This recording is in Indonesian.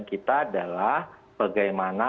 kita adalah bagaimana